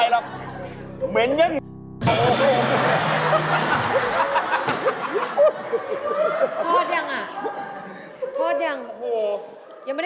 น้ำคอมกินปลาหนึ่งคำ